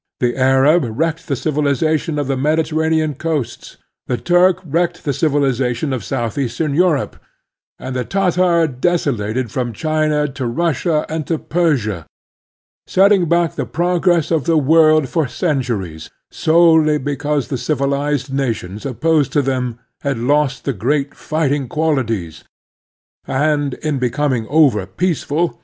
The Arab wrecked the civilization of the Mediterranean coasts, the Turk wrecked the civilization of south eastern Europe, and the Tatar desolated from China to Russia and to Persia, setting back the progress of the world for centuries, solely because the civilized nations opposed to them had lost t]j^e great fighting qualities, and, in becoming c ov erpeaceful.